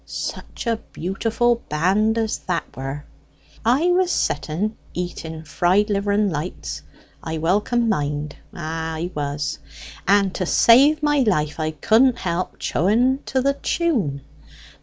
Such a beautiful band as that were! I was setting eating fried liver and lights, I well can mind ah, I was! and to save my life, I couldn't help chawing to the tune.